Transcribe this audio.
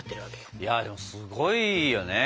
いやでもすごいよね。